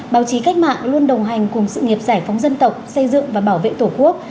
báo chí cách mạng luôn đồng hành cùng sự nghiệp giải phóng dân tộc xây dựng và bảo vệ tổ quốc